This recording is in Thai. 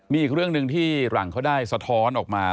มีอีกเรื่องหนึ่งที่หลังเขาได้สะท้อนออกมา